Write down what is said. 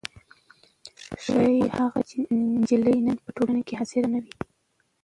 ښايي هغه نجلۍ نن په ټولګي کې حاضره نه وي.